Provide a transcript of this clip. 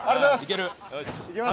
いけます。